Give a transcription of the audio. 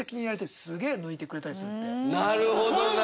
なるほどな！